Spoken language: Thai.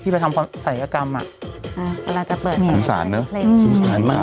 ไปทำศัยกรรมอ่ะอ่ะเวลาจะเปิดอันสั่งเที่ยว